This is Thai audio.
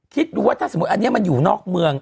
คิดดูว่าถ้าสมมุติอันนี้มันอยู่นอกเมือง